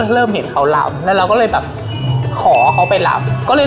เริ่มเห็นเขาลำแล้วเราก็เลยแบบขอเขาไปลำก็เลย